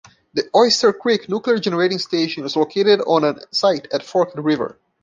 The Oyster Creek Nuclear Generating Station is located on an site at Forked River.